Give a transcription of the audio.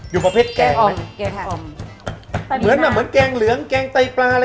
อยู่ประเภทแกงอย่างแว่นแว่นแปะเหมือนแกงเหลืองแกงไต๊คประอะไรไง